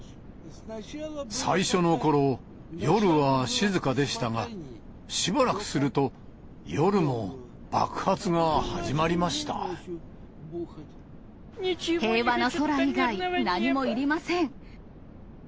最初のころ、夜は静かでしたが、しばらくすると、平和な空以外、何もいりません。